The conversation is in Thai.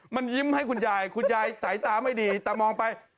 มันยิ้มให้คุณยายคุณยายสายตาไม่ดีแต่มองไป